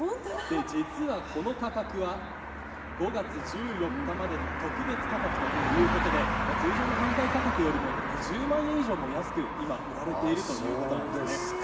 実はこの価格は５月１４日までの特別価格ということで通常の販売価格よりも２０万円以上安く売られているということです。